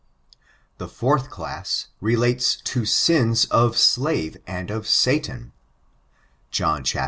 The fourth class relates to slaves of sin and of Satan, John viii.